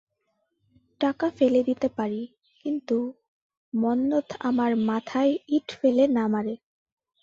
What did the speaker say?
টাকা ফেলে দিতে পারি, কিন্তু মন্মথ আমার মাথায় ইঁট ফেলে না মারে।